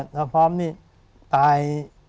ทะพร้อมนี่ตาย